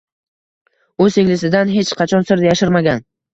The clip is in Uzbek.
U singlisidan hech qachon sir yashirmagan